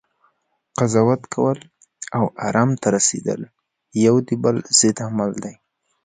قضاوت کول، او ارام ته رسیدل یو د بل ضد عمل دی